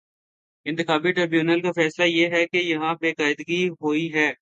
انتخابی ٹربیونل کا فیصلہ یہ ہے کہ یہاں بے قاعدگی ہو ئی ہے۔